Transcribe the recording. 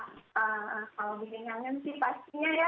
kalau bikin kangen sih pastinya ya